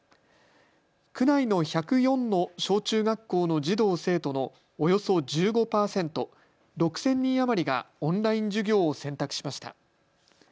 区内の１０４の小中学校の児童生徒のおよそ１５％、６０００人余りがオンライン授業を選択しました。